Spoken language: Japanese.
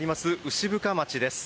牛深町です。